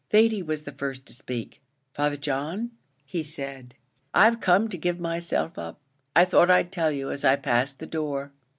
Thady was the first to speak, "Father John," he said, "I've come to give myself up; I thought I'd tell you, as I passed the door."